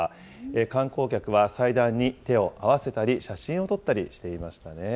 観光客は祭壇に手を合わせたり、写真を撮ったりしていましたね。